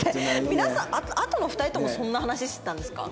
皆さんあとの２人ともそんな話してたんですか？